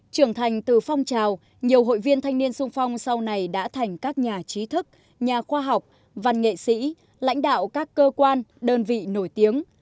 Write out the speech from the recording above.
trưởng thành từ phong trào nhiều hội viên thanh niên sung phong sau này đã thành các nhà trí thức nhà khoa học văn nghệ sĩ lãnh đạo các cơ quan đơn vị nổi tiếng